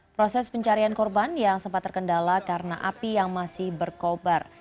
proses pencarian korban yang sempat terkendala karena api yang masih berkobar